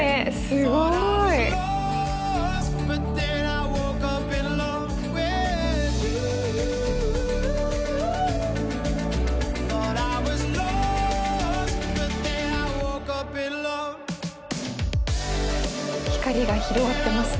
すごい！光が広がってますね。